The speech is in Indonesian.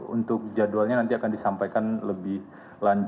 untuk jadwalnya nanti akan disampaikan lebih lanjut